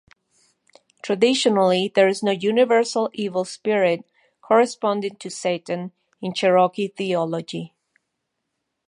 Traditionally there is no universal evil spirit corresponding to Satan in Cherokee Theology.